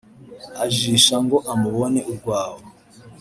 ajijisha ngo amubone urwaho